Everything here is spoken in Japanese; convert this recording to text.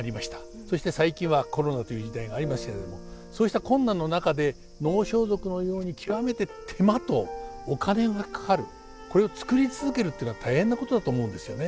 そして最近はコロナという時代がありますけれどもそうした困難の中で能装束のように極めて手間とお金がかかるこれを作り続けるっていうのは大変なことだと思うんですよね。